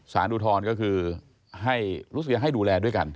ศาลอุทธรณก็คือให้รู้สึกอย่างให้ดูแลด้วยกัน